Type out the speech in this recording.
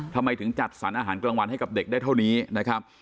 ทำไมถึงจัดสรรอาหารกลางวันให้กับเด็กได้เท่านี้นะครับ